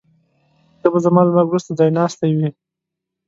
ته به زما له مرګ وروسته ځایناستی وې.